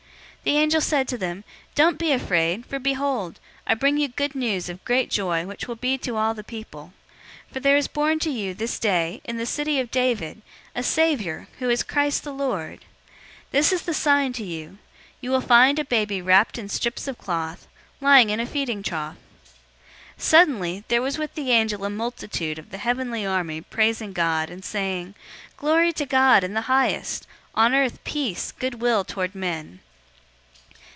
002:010 The angel said to them, "Don't be afraid, for behold, I bring you good news of great joy which will be to all the people. 002:011 For there is born to you, this day, in the city of David, a Savior, who is Christ the Lord. 002:012 This is the sign to you: you will find a baby wrapped in strips of cloth, lying in a feeding trough." 002:013 Suddenly, there was with the angel a multitude of the heavenly army praising God, and saying, 002:014 "Glory to God in the highest, on earth peace, good will toward men."